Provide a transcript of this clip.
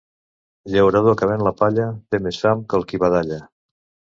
Llaurador que ven la palla té més fam que el qui badalla.